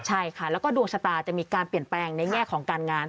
ใช่ค่ะแล้วก็ดวงชะตาจะมีการเปลี่ยนแปลงในแง่ของการงาน